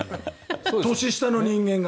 年下の人間が。